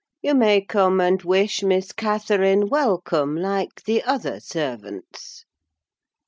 "You may come and wish Miss Catherine welcome, like the other servants."